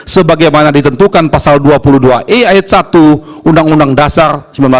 sebagaimana ditentukan pasal dua puluh dua e ayat satu undang undang dasar seribu sembilan ratus empat puluh lima